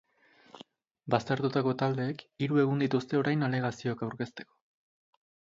Baztertutako taldeek hiru egun dituzte orain alegazioak aurkezteko.